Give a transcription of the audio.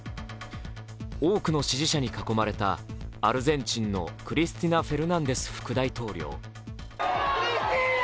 多くの支持者に囲まれたアルゼンチンのクリスティナ・フェルナンデス副大統領。